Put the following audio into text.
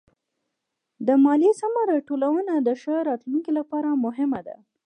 د ماليې سمه راټولونه د ښه راتلونکي لپاره مهمه ده.